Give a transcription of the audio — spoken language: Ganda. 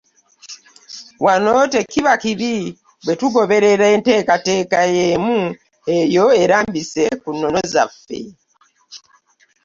Wano tekiba kibi bwe togoberera enteeekateeka y’emu eyo erambise ku nnono zaffe.